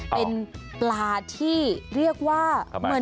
เป็นปลาที่เรียกว่า